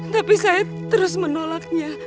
tapi saya terus menolaknya